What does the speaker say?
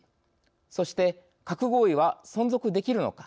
そして、核合意は存続できるのか。